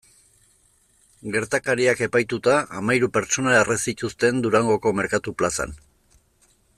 Gertakariak epaituta hamahiru pertsona erre zituzten Durangoko merkatu plazan.